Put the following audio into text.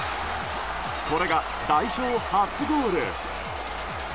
これが代表初ゴール。